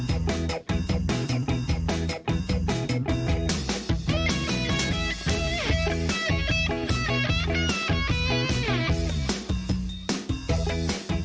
สวัสดีครับสวัสดีครับ